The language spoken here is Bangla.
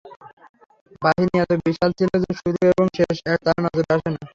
বাহিনী এত বিশাল ছিল যে, শুরু এবং শেষ তার নজরে আসে না।